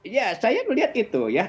ya saya melihat itu ya